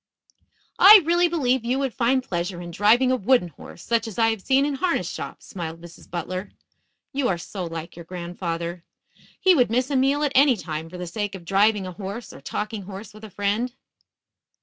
"I really believe you would find pleasure in driving a wooden horse, such as I have seen in harness shops," smiled Mrs. Butler. "You are so like your grandfather. He would miss a meal at any time for the sake of driving a horse or talking horse with a friend."